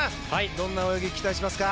どんな泳ぎ期待しますか。